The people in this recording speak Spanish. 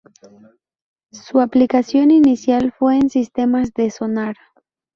Su aplicación inicial fue en sistemas de sonar.